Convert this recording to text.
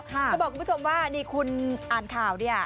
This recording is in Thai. จะบอกคุณผู้ชมว่านี่คุณอ่านข่าวเนี่ย